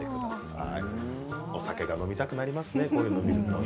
お酒が飲みたくなりますね。